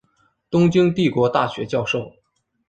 东京帝国大学教授。